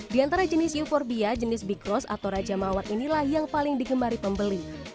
di antara jenis euforbia jenis bikros atau raja mawar inilah yang paling digemari pembeli